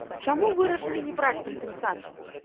Чаму вырашылі не браць кампенсацыю?